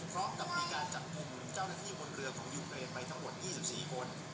พร้อมกับมีการจับกลุ่มเจ้าหน้าที่บนเรือของยูเครนไปทั้งหมด๒๔คน